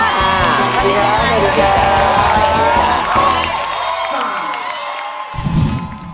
สวัสดีครับ